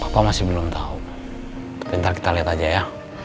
papa masih belum tau tapi ntar kita liat aja ya